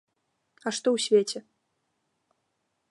А што ў свеце?